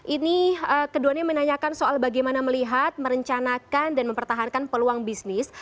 ini keduanya menanyakan soal bagaimana melihat merencanakan dan mempertahankan peluang bisnis